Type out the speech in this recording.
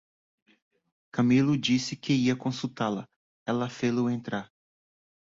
Camilo disse que ia consultá-la, ela fê-lo entrar.